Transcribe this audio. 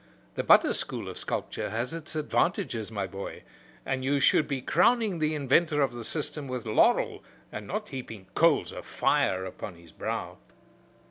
The butter school of sculpture has its advantages, my boy, and you should be crowning the inventor of the system with laurel, and not heaping coals of fire upon his brow."